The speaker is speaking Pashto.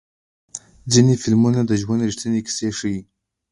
ځینې فلمونه د ژوند ریښتینې کیسې ښیي.